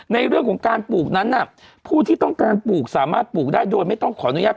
ในเรื่องของการปลูกนั้นน่ะผู้ที่ต้องการปลูกสามารถปลูกได้โดยไม่ต้องขออนุญาต